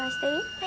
はい。